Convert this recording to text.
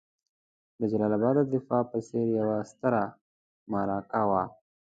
د جلال اباد د دفاع په څېر یوه ستره معرکه وه.